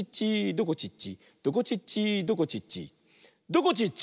「どこちっちどこちっちどこちっちどこちっち」